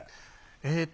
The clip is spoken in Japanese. えっと